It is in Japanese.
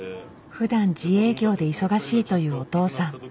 ふだん自営業で忙しいというお父さん。